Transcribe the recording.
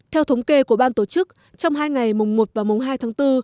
theo thống kê của ban tổ chức trong hai ngày mùng một và mùng hai tháng bốn